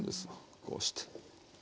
こうして。